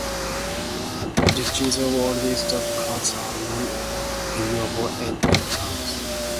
Judges of all these top courts serve non-renewable eight year terms.